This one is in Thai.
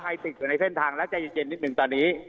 ใกล้ใส่ใจเย็นนิดนึงตอนนี้